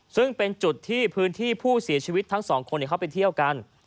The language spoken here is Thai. ซึ่งเป็นจุดที่พื้นที่ผู้เสียชีวิตทั้งสองคนเขาไปเที่ยวกัน